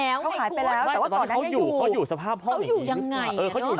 เขาหายไปแล้วแต่ว่าก่อนนั้นให้อยู่เขาอยู่สภาพห้องอย่างนี้หรือเปล่า